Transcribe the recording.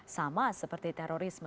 sama seperti terorisme